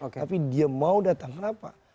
tapi dia mau datang kenapa